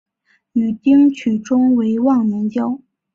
与丁取忠为忘年交。